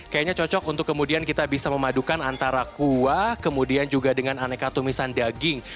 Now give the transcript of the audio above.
kayaknya cocok untuk kemudian kita bisa memadukan antara kuah kemudian juga dengan aneka tumisan daging